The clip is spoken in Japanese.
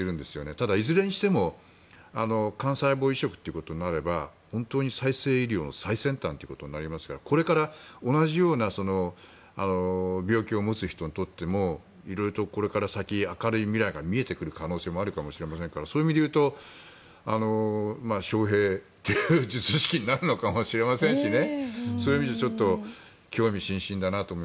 ただ、いずれにしても幹細胞移植となれば本当に再生医療の最先端ということになりますからこれから同じような病気を持つ人にとっても色々とこれから先明るい未来が見えてくる可能性もあるかもしれないからそういう意味で言うとショウヘイ術式になるのかもしれませんしそういう意味じゃ興味津々だなと思う。